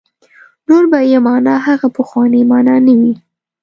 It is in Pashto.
نور به یې معنا هغه پخوانۍ معنا نه وي.